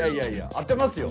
当てますよ。